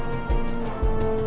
sambil nunggu kita